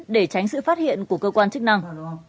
để tránh sự phát hiện của cơ quan chức năng